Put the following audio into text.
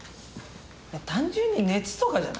いや単純に熱とかじゃない？